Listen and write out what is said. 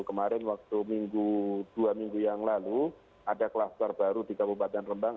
kemarin waktu dua minggu yang lalu ada kluster baru di kabupaten rembang